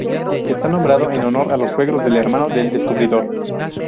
Está nombrado en honor de los suegros del hermano del descubridor.